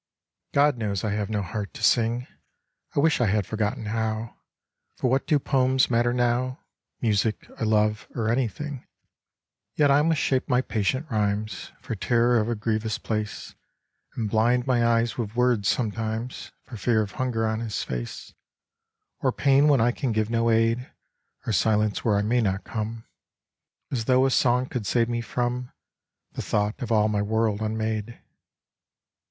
God knows I have no heart to sing ! I wish I had forgotten how, For what do poems matter now, Music or love or anything? 11 White Birches Yet I must shape my patient rhymes For terror of a grievous place, And blind my eyes with words sometimes, For fear of hunger on his face, Or pain when I can give no aid, Or silence where I may not come : As though a song could save me from The thought of all my world unmade